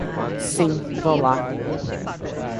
Sim, vou lá.